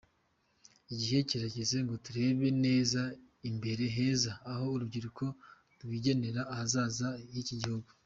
Igihe kirageze ngo turebe neza imbere heza, aho urubyiruko rwigenera ahazaza h’iki gihugu.